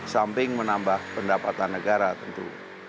samping menambah pendapatan negara tentu